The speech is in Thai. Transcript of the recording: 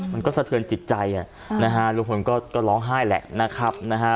มันก็สะเทือนจิตใจนะฮะลุงพลก็ร้องไห้แหละนะครับนะฮะ